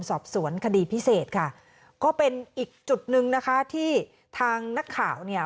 สอบสวนคดีพิเศษค่ะก็เป็นอีกจุดหนึ่งนะคะที่ทางนักข่าวเนี่ย